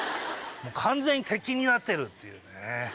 完全に敵になってるっていうね。